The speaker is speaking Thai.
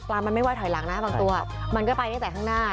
มันไม่ไห้ถอยหลังนะบางตัวมันก็ไปตั้งแต่ข้างหน้า